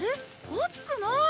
熱くない。